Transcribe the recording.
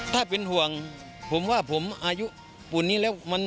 ถ้าเป็นห่วงผมว่าผมอายุกว่านี้แล้ว